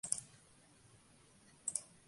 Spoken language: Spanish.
Gallito de las rocas.